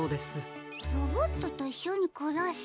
ロボットといっしょにくらす。